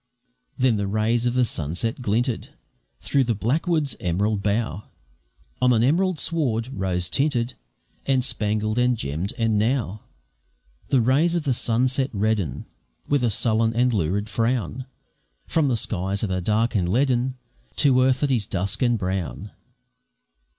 Then the rays of the sunset glinted Through the blackwoods' emerald bough On an emerald sward, rose tinted, And spangled, and gemm'd; and now The rays of the sunset redden With a sullen and lurid frown, From the skies that are dark and leaden, To earth that is dusk and brown.